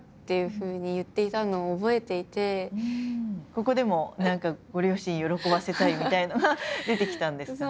ここでも何かご両親喜ばせたいみたいのが出てきたんですかね。